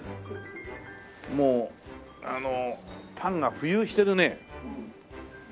もうパンが浮遊してるね。